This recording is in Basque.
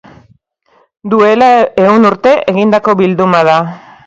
Duela ehun urte egindako bilduma da.